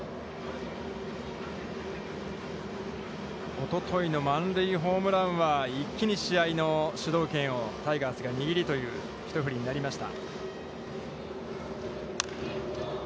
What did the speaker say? おとといの満塁ホームランは一気に試合の主導権をタイガースが握るという一振りになりました。